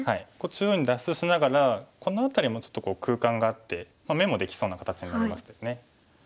中央に脱出しながらこの辺りもちょっと空間があって眼もできそうな形になりましたよね。